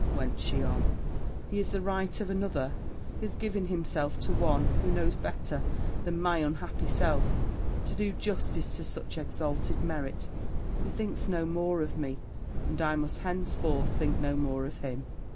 went she on. 'He is the right of another; he has given himself to one, who knows better than my unhappy self to do justice to such exalted merit: he thinks no more of me; and I must henceforth think no more of him!'